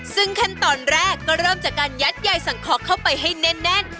ซึ่งขั้นตอนแรกก็เริ่มจากการยัดยายสังเคาะเข้าไปให้แน่น